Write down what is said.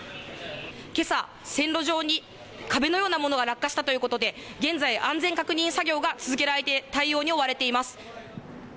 けさ、線路上に壁のようなものが落下したということで、現在、安全確認作業が続けられて、対応に追われています。